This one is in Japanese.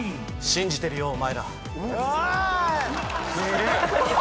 「信じてるよお前ら」おーい！